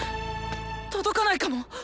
届かないかも。